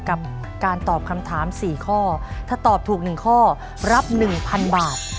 กับการตอบคำถามสี่ข้อถ้าตอบถูกหนึ่งข้อรับหนึ่งพันบาท